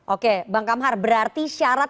oke bang kamhar berarti syarat